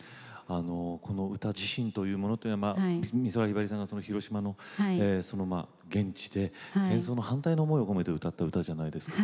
この歌自身というものって美空ひばりさんが広島の現地で戦争反対の思いを込めて歌った歌じゃないですか。